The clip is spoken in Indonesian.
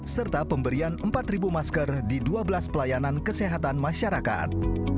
serta pemberian empat masker di dua belas pelayanan kesehatan masyarakat